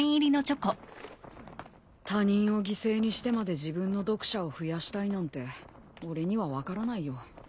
他人を犠牲にしてまで自分の読者を増やしたいなんて俺には分からないよ。